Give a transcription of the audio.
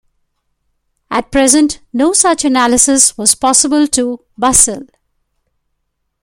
At present no such analysis was possible to Basil.